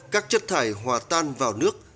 các chất thải hòa tan vào nước